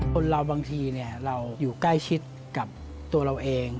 คนเราบางทีเราอยู่ใกล้ชิดกับตัวเราเอง